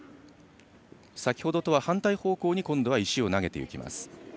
先ほどとは反対方向に今度は石を投げていきます。